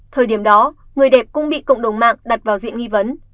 thời điểm đó người đẹp cũng bị cộng đồng mạng đặt vào diện nghi vấn